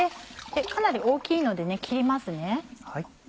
かなり大きいので切りますね。